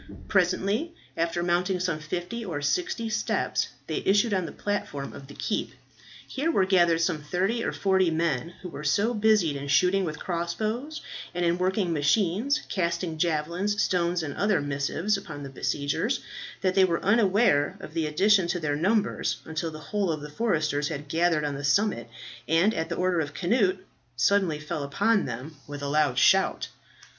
Presently, after mounting some fifty or sixty steps, they issued on the platform of the keep. Here were gathered some thirty or forty men, who were so busied in shooting with crossbows, and in working machines casting javelins, stones, and other missives upon the besiegers, that they were unaware of the addition to their numbers until the whole of the foresters had gathered on the summit, and at the order of Cnut suddenly fell upon them with a loud shout.